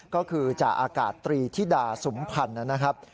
ก็คือจากอากาศตรีทิดาศุมภัณฑ์นะครับ